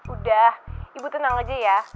udah ibu tenang aja ya